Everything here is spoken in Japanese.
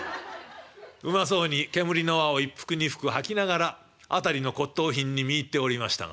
うまそうに煙の輪を一服二服吐きながら辺りの骨とう品にみいっておりましたが。